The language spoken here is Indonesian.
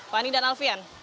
fani dan alfian